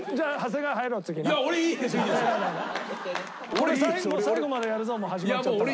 これ最後までやるぞもう始まっちゃったから。